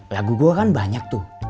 lagu gue kan banyak tuh